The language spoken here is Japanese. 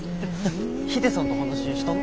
ヒデさんと話したの？